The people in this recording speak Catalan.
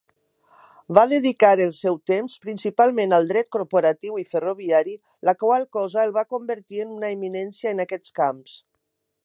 Va dedicar el seu temps principalment al dret corporatiu i ferroviari, la qual cosa el va convertir en una eminència en aquests camps.